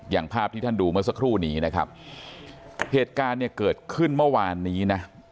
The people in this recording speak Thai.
อย่างภาพที่ท่านดูเมื่อสักครู่นี้นะครับเหตุการณ์เนี่ยเกิดขึ้นเมื่อวานนี้นะ